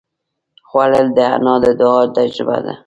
خوړل د انا د دعا تجربه ده